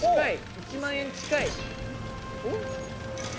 １万円近い。